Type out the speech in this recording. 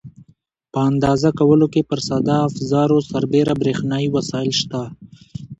په اندازه کولو کې پر ساده افزارو سربېره برېښنایي وسایل شته.